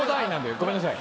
ごめんなさい。